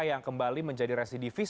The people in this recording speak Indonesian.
yang kembali menjadi residivis